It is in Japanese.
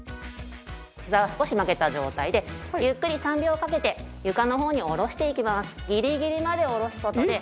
ひざは少し曲げた状態でゆっくり３秒かけて床の方に下ろしていきます。